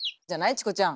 チコちゃん。